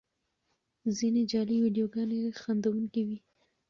ځینې جعلي ویډیوګانې خندوونکې وي.